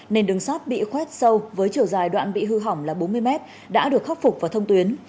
nền đường sát bị khoét sâu với chiều dài đoạn bị hư hỏng là bốn mươi mét đã được khắc phục và thông tuyến